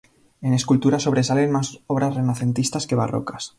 En escultura sobresalen más obras renacentistas que barrocas.